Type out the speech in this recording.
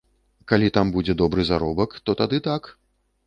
Калі там будзе добры заробак, то тады так.